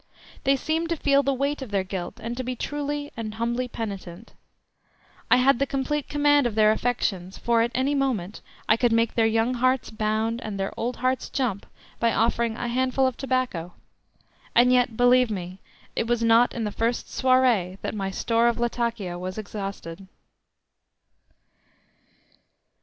They seemed to feel the weight of their guilt, and to be truly and humbly penitent. I had the complete command of their affections, for at any moment I could make their young hearts bound and their old hearts jump by offering a handful of tobacco, and yet, believe me, it was not in the first soirée that my store of Latakia was exhausted.